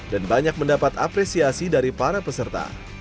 dan banyak mendapat apresiasi dari para peserta